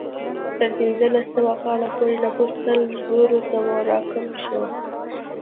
تر پنځلس سوه کال پورې نفوس سل زرو ته راکم شو.